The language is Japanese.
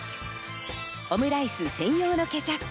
オムライス専用のケチャップ。